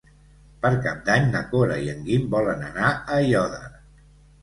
Per Cap d'Any na Cora i en Guim volen anar a Aiòder.